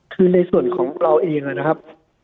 คือในส่วนของเราเองนะครับ